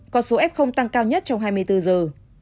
con số f tăng cao nhất trong hai mươi bốn giờ